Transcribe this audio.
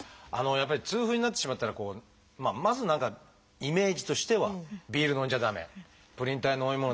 やっぱり痛風になってしまったらこうまず何かイメージとしてはビール飲んじゃ駄目プリン体の飲み物